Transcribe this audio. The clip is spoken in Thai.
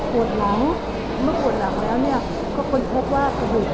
ปวดหลังเมื่อกี้ปวดหลังแล้วเนี่ยก็ค้นพบว่า